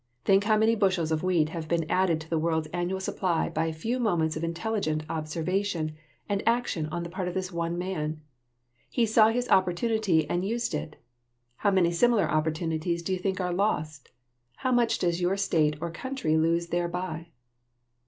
Think how many bushels of wheat have been added to the world's annual supply by a few moments of intelligent observation and action on the part of this one man! He saw his opportunity and used it. How many similar opportunities do you think are lost? How much does your state or country lose thereby?